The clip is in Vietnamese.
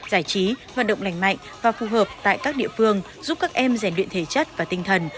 giải trí vận động lành mạnh và phù hợp tại các địa phương giúp các em rèn luyện thể chất và tinh thần